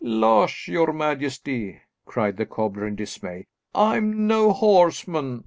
"Losh, your majesty!" cried the cobbler, in dismay, "I'm no horseman.